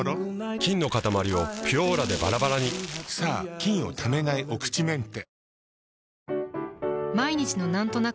菌のかたまりを「ピュオーラ」でバラバラにさぁ菌をためないお口メンテ。